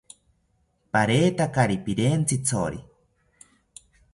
Paretakari pirentzithori